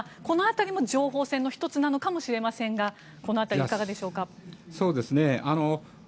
この辺りも情報戦の１つなのかもしれませんがこの辺りはいかがでしょうか。